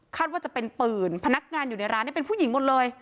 ว่าจะเป็นปืนพนักงานอยู่ในร้านเป็นผู้หญิงหมดเลย